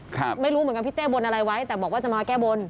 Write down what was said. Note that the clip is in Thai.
ไม่รู้เหมือนกันพี่เต้บนอะไรไว้แต่บอกว่าจะมาแก้บน